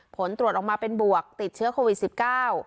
ผลตรวจออกมาเป็นบวกติดเชื้อโควิดสิบเก้า